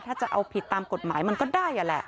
ถ้าจะเอาผิดตามกฎหมายมันก็ได้แหละ